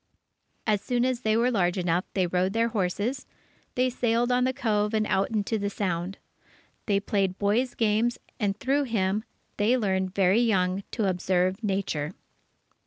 As soon as they were large enough, they rode their horses, they sailed on the Cove and out into the Sound. They played boys' games, and through him, they learned very young to observe nature.